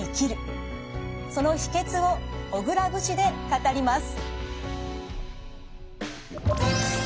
その秘けつを小倉節で語ります。